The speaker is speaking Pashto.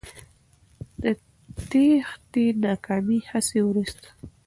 د تېښتې ناکامې هڅې وروسته